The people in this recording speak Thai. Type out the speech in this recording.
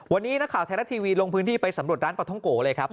วันนี้นักข่าวไทยรัฐทีวีลงพื้นที่ไปสำรวจร้านปลาท้องโกเลยครับ